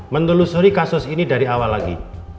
menelusuri kasus ini dari awal lagi